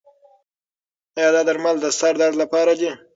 ایا دا درمل د سر درد لپاره دي؟